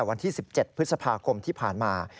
วันที่๑๗พฤษภาคมที่ผ่านมา